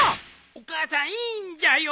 お母さんいいんじゃよ。